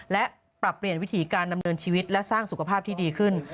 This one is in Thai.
และปรับเปลี่ยนวิถีการดำเนินชีวิตและสร้างสุขภาพที่ดีขึ้น